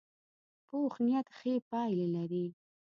پوخ نیت ښې پایلې لري